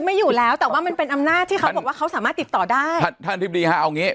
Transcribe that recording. ไม่อยู่แล้วแต่ว่ามันเป็นอำนาจที่เขาบอกว่าเขาสามารถติดต่อได้